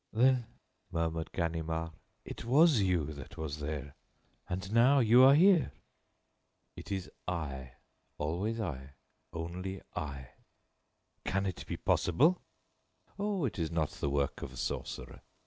"Then," murmured Ganimard, "it was you that was there? And now you are here?" "It is I, always I, only I." "Can it be possible?" "Oh, it is not the work of a sorcerer.